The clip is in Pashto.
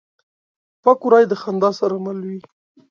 پکورې د خندا سره مل وي